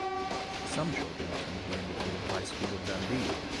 Some children attend the independent High School of Dundee.